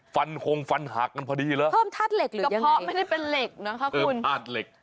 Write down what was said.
ฟันโฮงฟันหากันพอดีแล้วเพิ่มทาสเหล็กหรือยังไงกระเพาะไม่ได้เป็นเหล็กนะคะคุณเพิ่มทาสเหล็ก